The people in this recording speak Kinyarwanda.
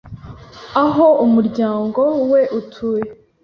aho umuryango we utuye